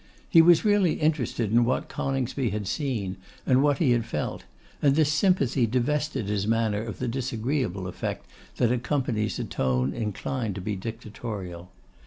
He was really interested in what Coningsby had seen, and what he had felt; and this sympathy divested his manner of the disagreeable effect that accompanies a tone inclined to be dictatorial.